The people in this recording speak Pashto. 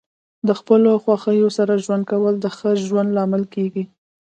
د خپلو خوښیو سره ژوند کول د ښه ژوند لامل کیږي.